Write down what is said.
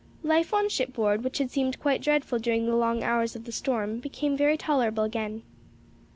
Life on shipboard which had seemed quite dreadful during the long hours of the storm, became very tolerable again.